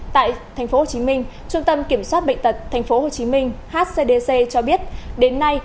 tại tp hcm trung tâm kiểm soát bệnh tật tp hcm hcdc cho biết đến nay